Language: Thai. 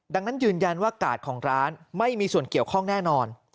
ดังนั้นยืนยันว่ากาดของร้านไม่มีส่วนเกี่ยวข้องแน่นอน